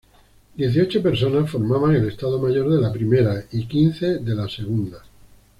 Dieciocho personas formaban el estado mayor de la primera y quince de la segunda.